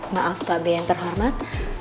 maaf pak bay yang terhormat